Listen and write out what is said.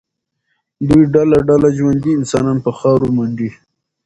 دوی ډله ډله ژوندي انسانان په خاورو منډي.